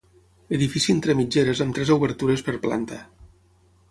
Edifici entre mitgeres amb tres obertures per planta.